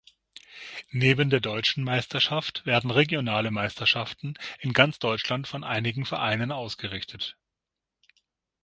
Neben der Deutschen Meisterschaft werden regionale Meisterschaften in ganz Deutschland von einigen Vereinen ausgerichtet.